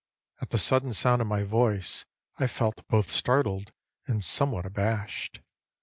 At the sudden sound of my voice I felt both startled and somewhat abashed.